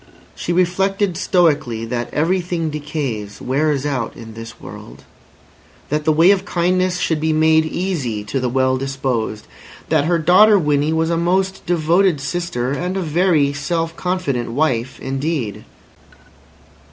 She reflected stoically that everything decays, wears out, in this world; that the way of kindness should be made easy to the well disposed; that her daughter Winnie was a most devoted sister, and a very self confident wife indeed.